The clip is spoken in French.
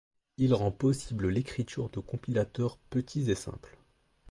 Il rend possible l'écriture de compilateurs petits et simples.